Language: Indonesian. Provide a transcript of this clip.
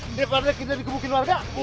mereka ada kita dikebukin warga